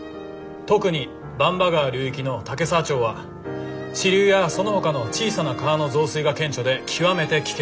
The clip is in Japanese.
特に番場川流域の岳沢町は支流やそのほかの小さな川の増水が顕著で極めて危険です。